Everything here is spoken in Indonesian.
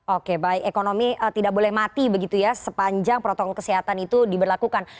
oke baik ekonomi tidak boleh mati begitu ya sepanjang protokol kesehatan itu diberlakukan